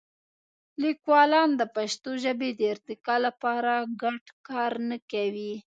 لیکوالان د پښتو ژبې د ارتقا لپاره ګډ کار نه کوي.